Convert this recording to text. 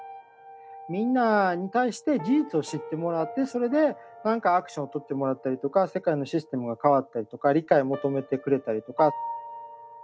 みんなに対して事実を知ってもらってそれでなんかアクションをとってもらったりとか世界のシステムが変わったりとか理解を求めてくれたりとか。